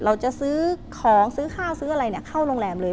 เราจะซื้อของซื้อข้าวซื้ออะไรเข้าโรงแรมเลย